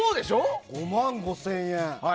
５万５０００円。